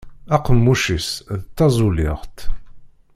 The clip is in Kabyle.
Aqemmuc-is d tazuliɣt.